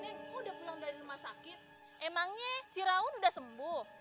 ini udah pulang dari rumah sakit emangnya si rawon udah sembuh